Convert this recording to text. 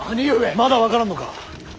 まだ分からんのか。